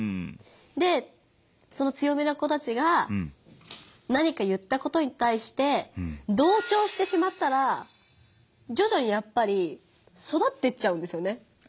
でその強めな子たちが何か言ったことに対して同調してしまったらじょじょにやっぱりそだってっちゃうんですよね